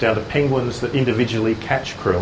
sampai kerel pengguna yang individu menangkap kerel